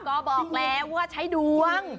ก็บอกแล้วว่าใช้ดวง